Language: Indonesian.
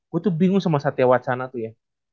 gue tuh bingung sama satya wacana tuh ya